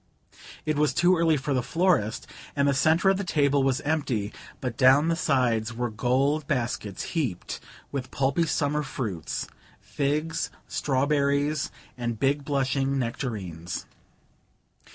It was too early for the florist, and the centre of the table was empty, but down the sides were gold baskets heaped with pulpy summer fruits figs, strawberries and big blushing nectarines.